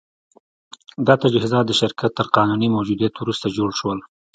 دا تجهیزات د شرکت تر قانوني موجودیت وروسته جوړ شول